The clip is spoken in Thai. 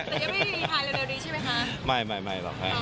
แต่ยังไม่มีภาย้านเร็วดีใช่ไหมคะ